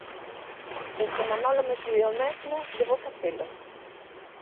E se Manolo me pide o mesmo, debo facelo?